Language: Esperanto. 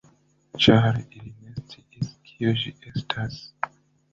Ĉar ili ne sciis, kio ĝi estas.